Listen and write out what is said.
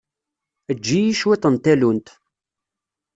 Eǧǧ-iyi cwiṭ n tallunt.